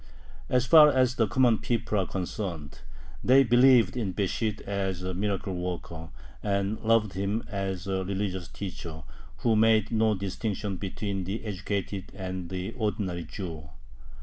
As far as the common people are concerned, they believed in Besht as a miracle worker, and loved him as a religious teacher who made no distinction between the educated and the ordinary Jew.